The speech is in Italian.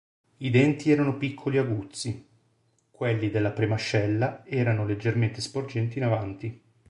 I denti erano piccoli e aguzzi; quelli della premascella erano leggermente sporgenti in avanti.